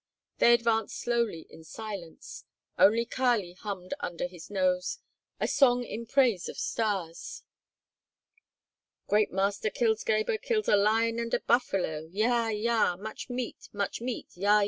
They advanced slowly in silence; only Kali hummed under his nose a song in praise of Stas. "Great master kills Gebhr, kills a lion and a buffalo! Yah! Yah! Much meat! Much meat! Yah! Yah!"